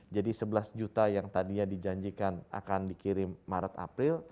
jadi sebelas juta yang tadinya dijanjikan akan dikirim maret april